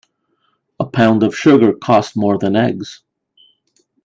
A pound of sugar costs more than eggs.